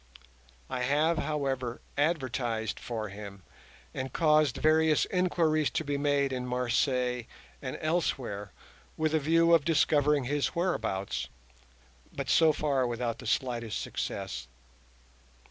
I have, however, advertised for him and caused various inquiries to be made in Marseilles and elsewhere with a view of discovering his whereabouts, but so far without the slightest success.